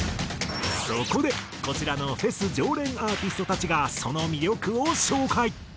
そこでこちらのフェス常連アーティストたちがその魅力を紹介。